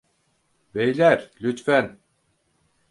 Beyler, lütfen!